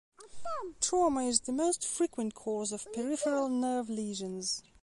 Trauma is the most frequent cause of peripheral nerve lesions.